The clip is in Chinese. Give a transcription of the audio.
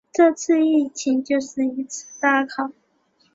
这次疫情就是一次大考